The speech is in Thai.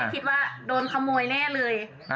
คิดว่าโดนขโมยแน่เลย